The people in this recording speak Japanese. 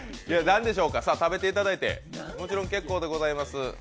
何でしょうか、食べていただいて、もちろん結構でございます。